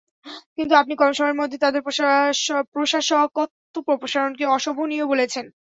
কিন্তু আপনি কম সময়ের মধ্যে তাদের প্রশাসকত্ব অপসারণকে অশোভনীয় বলেছেন।